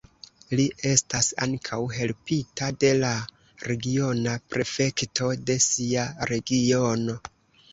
Li estas ankaŭ helpita de la regiona prefekto de sia regiono.